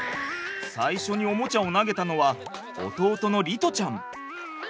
最初におもちゃを投げたのは弟の璃士ちゃん。